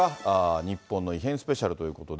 ニッポンの異変スペシャルということで。